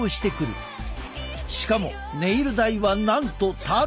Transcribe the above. しかもネイル代はなんとタダ！